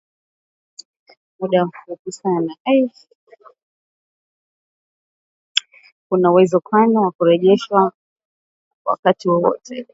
kuna uwezekano wa kurejeshwa Myanmar wakati wowote